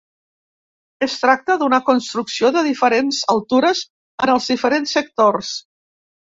Es tracta d'una construcció de diferents altures en els diferents sectors.